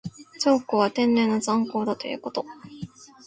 長江は天然の塹壕だということ。